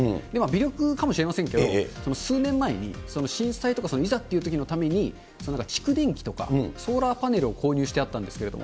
微力かもしれませんけれども、数年前に震災とかいざっていうときのために、蓄電池とかソーラーパネルを購入してあったんですけど。